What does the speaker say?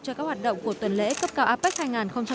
cho các hoạt động của tuần lễ cấp cao apec hai nghìn một mươi bảy